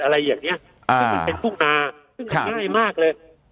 อะไรอย่างเงี้ยอ่าเป็นทุ่งนาซึ่งง่ายมากเลยครับ